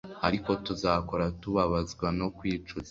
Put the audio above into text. Ariko tuzakora tubabazwa no kwicuza